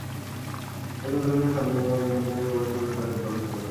তাঁদের গতিবিধি সন্দেহজনক হওয়ায় বিমানবন্দরে প্রবেশের পরপরই তাঁদের তল্লাশি করা হয়।